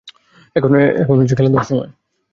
এখন হচ্ছে খেলাধূলার সময়!